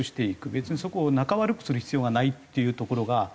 別にそこを仲悪くする必要がないっていうところが。